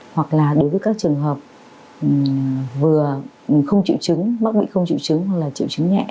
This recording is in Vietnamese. hoặc là đối với các trường hợp vừa không chịu chứng mắc bị không triệu chứng hoặc là triệu chứng nhẹ